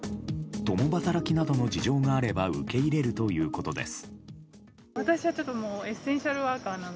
共働きなどの事情があれば受け入れるということです。